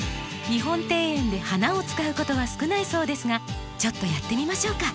日本庭園で花を使うことは少ないそうですがちょっとやってみましょうか。